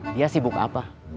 dia sibuk apa